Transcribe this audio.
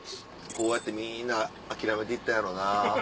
こうやってみんな諦めていったんやろな。